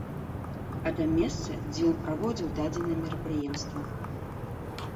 А да месца, дзе ён праводзіў дадзенае мерапрыемства.